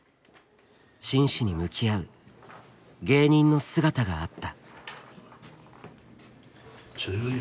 真摯に向き合う芸人の姿があった。